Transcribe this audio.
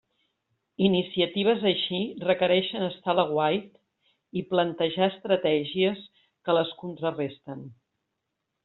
Iniciatives així requereixen estar a l'aguait i plantejar estratègies que les contraresten.